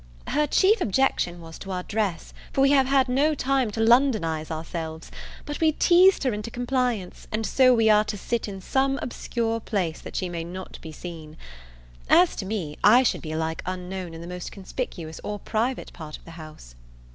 Her chief objection was to our dress, for we have had no time to Londonize ourselves; but we teased her into compliance, and so we are to sit in some obscure place that she may not be seen. As to me, I should be alike unknown in the most conspicuous or most private part of the house.